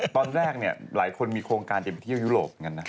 ตอนแรกเนี่ยหลายคนมีโครงการเด็บไปเที่ยวยุโรป